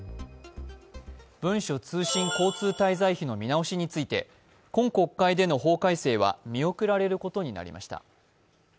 文書通信交通滞在費の見直しについて今国会での法改正は見送られることになりました。